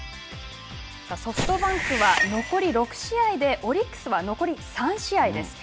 ソフトバンクは残り６試合でオリックスは残り３試合です。